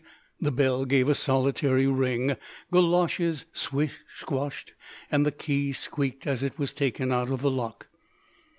The bell gave a solitary ring, goloshes squish squashed, and the key squeaked as it was taken out of the lock.